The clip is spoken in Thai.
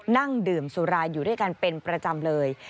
นั่งดื่มสุราอยู่ด้วยกันเป็นประจำเลย